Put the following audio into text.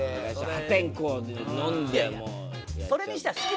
破天荒で飲んでもう。